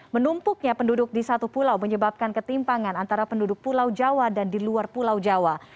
menumpuknya penduduk di satu pulau menyebabkan ketimpangan antara penduduk pulau jawa dan di luar pulau jawa